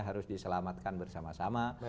harus diselamatkan bersama sama